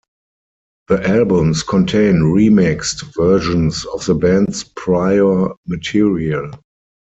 The albums contain remixed versions of the band's prior material.